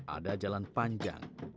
ada jalan panjang yang mesti ditemukan